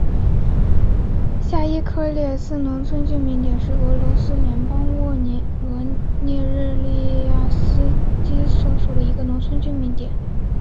下伊科列茨农村居民点是俄罗斯联邦沃罗涅日州利斯基区所属的一个农村居民点。